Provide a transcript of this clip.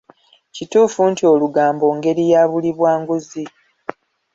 Kituufu nti olugambo ngeri ya buli bwa nguzi?